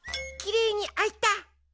きれいにあいた。